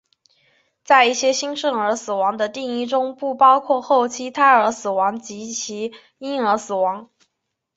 在一些新生儿死亡的定义中不包括后期胎儿死亡以及婴儿死亡。